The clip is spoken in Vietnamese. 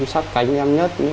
sát cánh em nhất